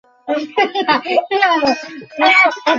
কোথাও কখনও গৃহস্থের এরূপ আদর্শ হওয়া উচিত নয়।